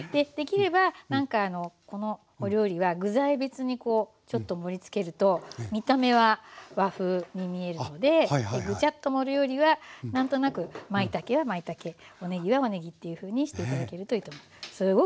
できればなんかこのお料理は具材別にちょっと盛りつけると見た目は和風に見えるのでぐちゃっと盛るよりは何となくまいたけはまいたけおねぎはおねぎっていうふうにして頂けるといいと思う。